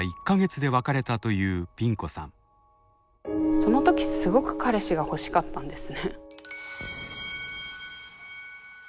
その時すごく彼氏が欲しかったんですね。